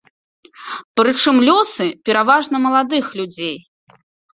Прычым лёсы пераважна маладых людзей.